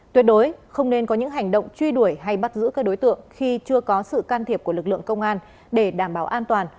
tuyệt đối không nên có những hành động truy đuổi hay bắt giữ các đối tượng khi chưa có sự can thiệp của lực lượng công an để đảm bảo an toàn